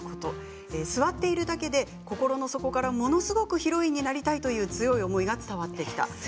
座っているだけで、心の底からものすごくヒロインになりたいという強い思いが伝わってきた。